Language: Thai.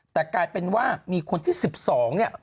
แต่กลายเป็นว่ามีคนที่๑๒เนี่ย